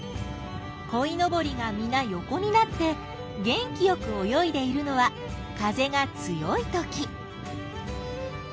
こいのぼりがみな横になって元気よく泳いでいるのは風が強いとき。